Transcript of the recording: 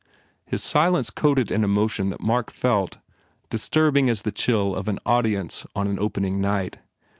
His silence coated an emotion that Mark felt, disturbing as the chill of an audience on an opening night.